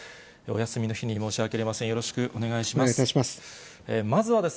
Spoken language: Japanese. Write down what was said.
お休みの日に申し訳ございません。